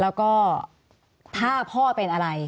แล้วก็ถ้าพ่อเป็นอะไร